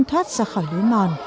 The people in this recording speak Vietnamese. thoát ra khỏi lối mòn